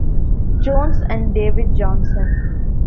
Jones and David Johnson.